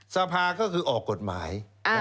สภาก็คือออกกฎหมาย